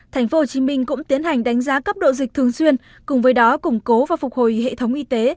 tp hcm cũng tiến hành đánh giá cấp độ dịch thường xuyên cùng với đó củng cố và phục hồi hệ thống y tế